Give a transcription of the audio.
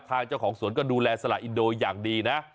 ทางเจ้าของสวนก็ดูแลสละอินโดอย่างดีนะ